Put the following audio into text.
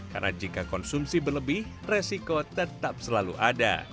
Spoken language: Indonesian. karena jika konsumsi berlebih resiko tetap selalu ada